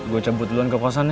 gue cabut duluan ke posannya